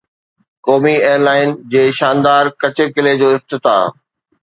قومي ايئرلائن جي شاندار ڪچي قلعي جو افتتاح